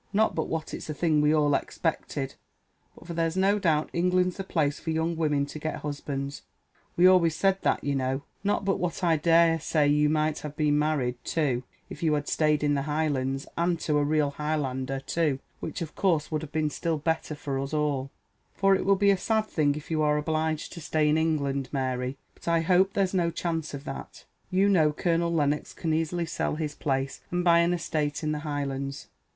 not but what it's a thing we all expected, for there's no doubt England's the place for young women to get husbands we always said that, you know; not but what I dare say you might have been married, too, if you had stayed in the Highlands, and to a real Highlander, too, which, of course, would have been still better for us all; for it will be a sad thing if you are obliged to stay in England, Mary; but I hope there's no chance of that: you know Colonel Lennox can easily sell his place, and buy an estate in the Highlands.